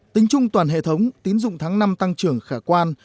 tính chung toàn hệ thống tín dụng tháng năm tăng trưởng khả quan